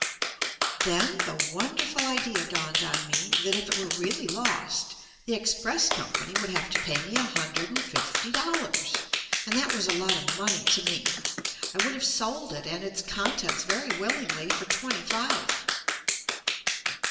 Then the wonderful idea dawned on me that if it were really lost the express company would have to pay me a hundred and fifty dol lars, and that was a lot of money to me. I would have sold it and its contents very will ingly for twenty five.